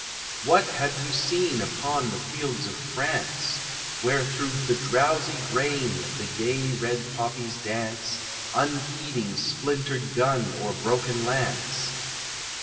What have you seen upon the fields of France, Where through the drowsy grain, the gay red poppies dance, Unheeding splintered gun or broken lance?